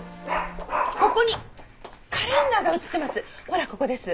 ここにカレンダーが写ってます！